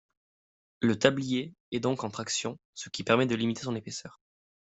Le tablier est donc en traction ce qui permet de limiter son épaisseur.